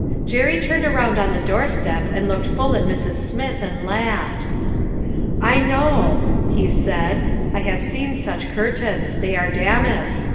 Jerry turned around on the doorstep and looked full at Mrs. Smith, and laughed. "I know," he said, " I have seen such curtains. They are damask.